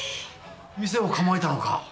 店を構えたのか？